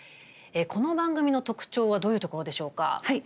この番組の特徴はどういうところでしょうか？